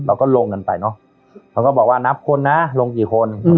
เราก็ลงกันไปเนอะเขาก็บอกว่านับคนนะลงกี่คน